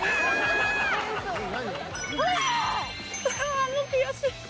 あもう悔しい。